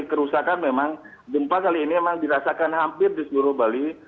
kerusakan memang gempa kali ini memang dirasakan hampir di seluruh bali